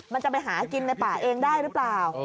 มันจะไปหากินในป่าเองได้หรือเปล่า